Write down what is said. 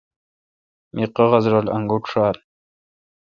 می قاغذرل انگوٹ ݭال۔